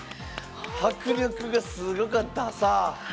迫力がすごかった。